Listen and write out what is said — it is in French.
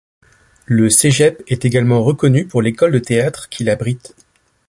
Le Cégep est également reconnu pour l'école de théâtre qu'il abrite.